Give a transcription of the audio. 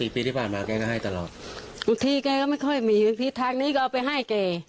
ปีที่ผ่านมาแกก็ให้ตลอดบางทีแกก็ไม่ค่อยมีทิศทางนี้ก็เอาไปให้แก